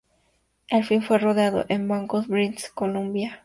El film fue rodado en Vancouver, British Columbia.